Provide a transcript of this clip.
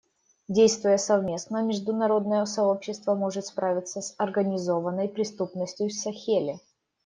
Действуя совместно, международное сообщество может справиться с организованной преступностью в Сахеле.